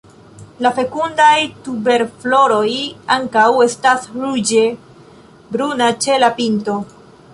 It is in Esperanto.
La fekundaj tuberfloroj ankaŭ estas ruĝe bruna ĉe la pinto.